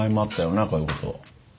こういうこと。